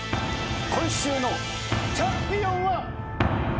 今週のチャンピオンは。